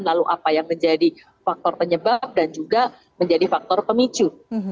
lalu apa yang menjadi faktor penyebab dan juga menjadi faktor pemicu